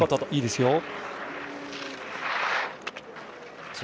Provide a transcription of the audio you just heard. いいですよ。